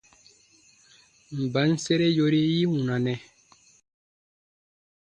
Mba n sere yori yi wunanɛ ?